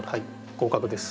合格です。